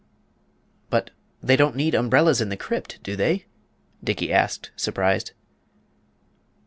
"But they don't need umbrellas in the Crypt, do they?" Dickey asked, surprised.